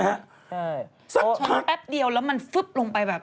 ใช่สักช้อนแป๊บเดียวแล้วมันฟึ๊บลงไปแบบ